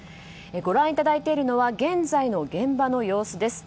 ご覧いただいているのは現在の現場の様子です。